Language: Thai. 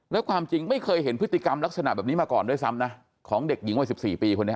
แล้วความจริงไม่เคยเห็นพฤติกรรมลักษณะแบบนี้มาก่อนด้วยซ้ำนะของเด็กหญิงวัย๑๔ปีคนนี้